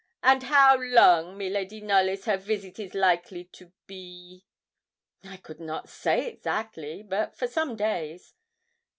'And how long miladi Knollys her visit is likely to be?' 'I could not say exactly, but for some days.'